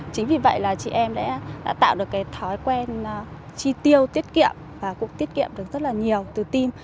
chính vì vậy là chị em đã tạo được cái thói quen chi tiêu tiết kiệm và cũng tiết kiệm được rất là nhiều từ team